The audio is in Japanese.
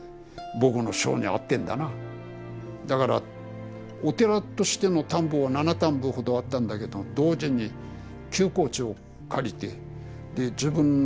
だからお寺としての田んぼは７反歩ほどあったんだけど同時に休耕地を借りてで自分の寺の田んぼと合わせて１町４反。